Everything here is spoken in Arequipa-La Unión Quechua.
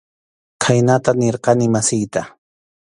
Khaynata nirqani masiyta.